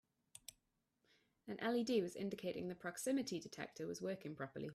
An LED was indicating the proximity detector was working properly.